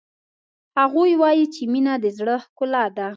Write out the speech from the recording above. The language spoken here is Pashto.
هغوی وایي چې مینه د زړه ښکلا ده